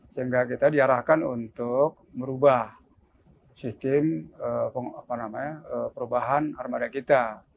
sehingga kita diarahkan untuk merubah sistem perubahan armada kita